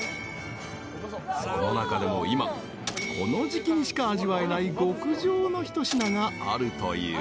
［その中でも今この時季にしか味わえない極上の一品があるという］